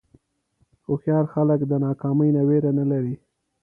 هوښیار خلک د ناکامۍ نه وېره نه لري.